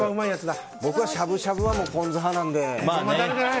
僕はしゃぶしゃぶはポン酢派なんで。